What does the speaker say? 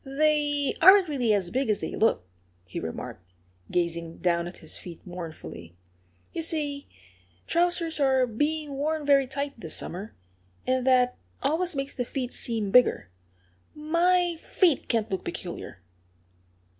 "They aren't really as big as they look," he remarked, gazing down at his feet mournfully. "You see, trousers are being worn very tight this summer. And that always makes the feet seem bigger.... My feet can't look peculiar."